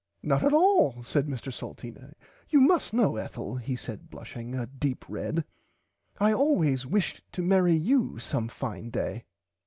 Not at all said Mr Salteena you must know Ethel he said blushing a deep red I always wished to marry you some fine day.